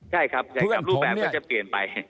ใช่ครับใน๓รูปแบบก็จะเปลี่ยนไป